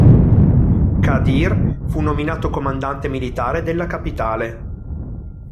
Qadir fu nominato comandante militare della capitale.